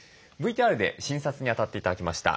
ＶＴＲで診察にあたって頂きました